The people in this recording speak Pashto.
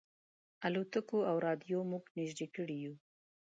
الوتکو او رېډیو موږ نيژدې کړي یو.